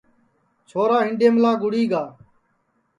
چھورا ہِینڈؔیملا گُڑی گا